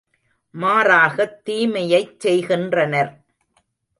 மாறாகத் தீமையைச் செய்கின்றனர்.